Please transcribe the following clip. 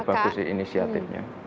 ya bagus sih inisiatifnya